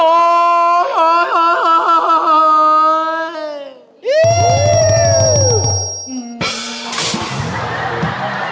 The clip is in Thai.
มา